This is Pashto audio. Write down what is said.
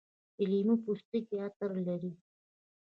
د لیمو پوستکي عطر لري.